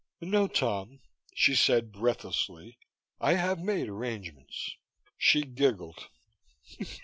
"No, Tom," she said breathlessly. "I I have made arrangements." She giggled.